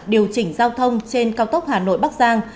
điều chỉnh giao thông trên cao tốc hà nội bắc giang